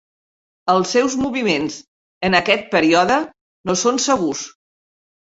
Els seus moviments en aquest període no són segurs.